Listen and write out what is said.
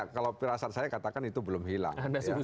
kalau perasaan saya katakan itu belum hilang